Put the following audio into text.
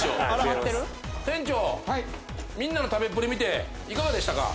店長みんなの食べっぷり見ていかがでしたか？